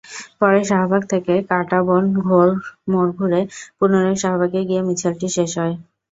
পরে শাহবাগ থেকে কাঁটাবন মোড় ঘুরে পুনরায় শাহবাগে গিয়ে মিছিলটি শেষ হয়।